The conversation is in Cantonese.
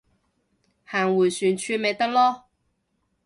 行迴旋處咪得囉